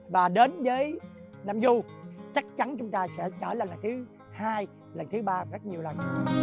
và đến với nam du chắc chắn chúng ta sẽ trở lại lần thứ hai lần thứ ba rất nhiều lần